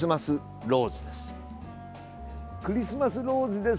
クリスマスローズです。